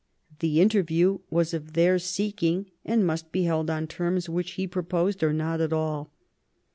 The interview was of their seeking, and must be held on terms which he proposed, or not at all.